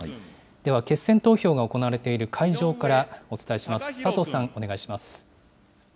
では、決選投票が行われている会場からお伝えします。